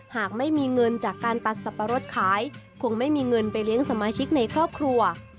หากไม่มีเงินจากการตัดสับปะรดขายคงไม่มีเงินไปเลี้ยงสมาชิกในครอบครัว